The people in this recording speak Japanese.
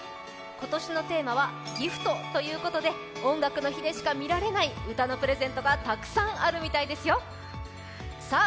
今年のテーマは「ＧＩＦＴギフト」ということで「音楽の日」でしか見られない歌のプレゼントがたくさんあるみたいですよさあ